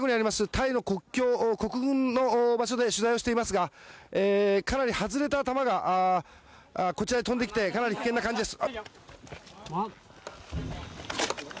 タイの国境国軍の場所で取材していますが外れた弾がこちらに飛んできてかなり危険な感じです。